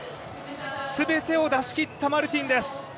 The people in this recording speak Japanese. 全てを出し切ったマルティンです。